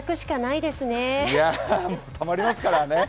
いや、たまりますからね。